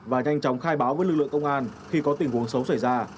và nhanh chóng khai báo với lực lượng công an khi có tình huống xấu xảy ra